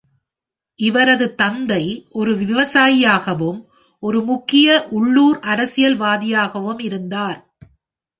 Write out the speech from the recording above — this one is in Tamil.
இவரது தந்தை ஒரு விவசாயியாகவும் ஒரு முக்கிய உள்ளூர் அரசியல்வாதியாகவும் இருந்தார்.